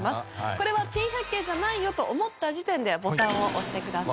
これは珍百景じゃないよと思った時点でボタンを押してください。